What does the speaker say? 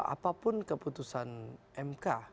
apapun keputusan mk